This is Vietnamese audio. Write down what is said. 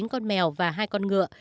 chín con mèo và hai con ngựa